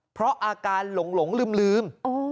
เพราะอาการหลงลืม